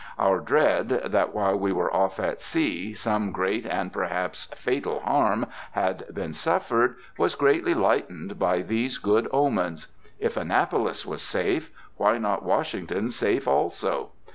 Our dread, that, while we were off at sea, some great and perhaps fatal harm had been suffered, was greatly lightened by these good omens. If Annapolis was safe, why not Washington safe also?